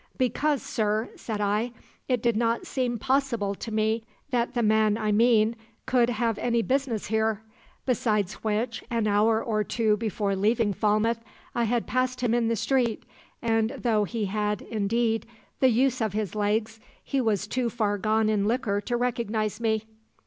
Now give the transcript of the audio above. "'Because, sir,' said I, 'it did not seem possible to me that the man I mean could have any business here; besides which, an hour or two before leaving Falmouth I had passed him in the street, and though he had, indeed, the use of his legs, he was too far gone in liquor to recognize me.'